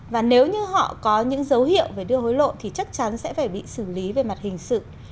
và nếu như họ có những dấu hiệu về đưa hối lộ thì chắc chắn sẽ phải bị xử lý về mặt hình sự